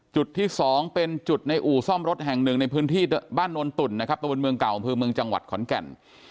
จุดที่๒เป็นจุดในอู่ซ่อมรถแห่งหนึ่งในพื้นที่บ้านนวลตุ่นนะครับตะบนเมืองเก่าอำเภอเมืองจังหวัดขอนแก่น